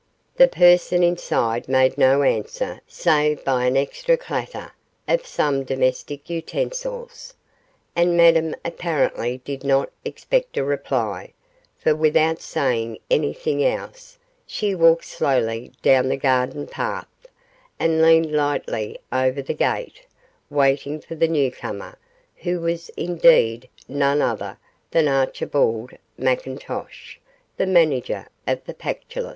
The person inside made no answer save by an extra clatter of some domestic utensils, and Madame apparently did not expect a reply, for without saying anything else she walked slowly down the garden path, and leaned lightly over the gate, waiting for the newcomer, who was indeed none other than Archibald McIntosh, the manager of the Pactolus.